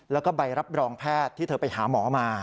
แล้วก็ใบรับรองแพทย์ที่เธอไปหาหมอมา